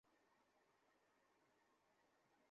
যারা আমাদের নিয়ে হাসাহাসি করছে তাদের মোক্ষম জবাব দেওয়ার জন্য।